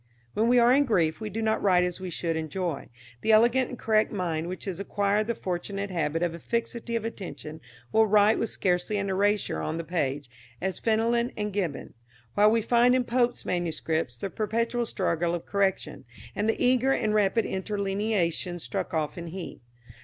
"When we are in grief we do not write as we should in joy. The elegant and correct mind, which has acquired the fortunate habit of a fixity of attention, will write with scarcely an erasure on the page, as Fenelon and Gibbon; while we find in Pope's manuscripts the perpetual struggle of correction, and the eager and rapid interlineations struck off in heat.